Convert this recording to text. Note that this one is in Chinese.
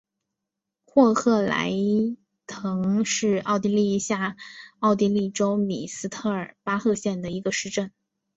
霍赫莱滕是奥地利下奥地利州米斯特尔巴赫县的一个市镇。